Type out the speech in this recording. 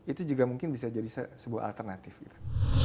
itu juga mungkin bisa jadi sebuah alternatif gitu